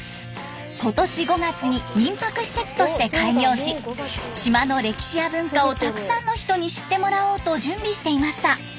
今年５月に民泊施設として開業し島の歴史や文化をたくさんの人に知ってもらおうと準備していました。